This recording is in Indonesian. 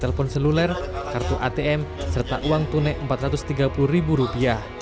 telepon seluler kartu atm serta uang tunai rp empat ratus tiga puluh